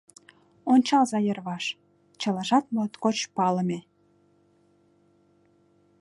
Ончалза йырваш, чылажат моткоч палыме!